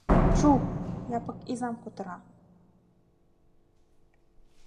— Чу, Якып изам кутыра.